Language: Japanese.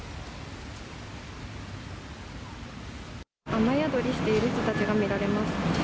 雨宿りしている人たちが見られます。